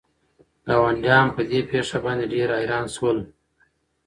ګاونډیان په دې پېښه باندې ډېر حیران شول.